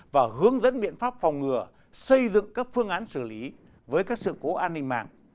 và hướng dẫn biện pháp phòng ngừa xây dựng các phương án xử lý với các sự cố an ninh mạng